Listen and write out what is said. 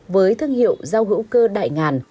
với thương hiệu rau hữu cơ đại ngàn